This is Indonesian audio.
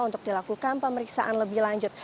untuk dilakukan pemeriksaan lebih lanjut